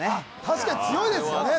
確かに強いですよね